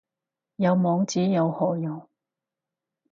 有網址有何用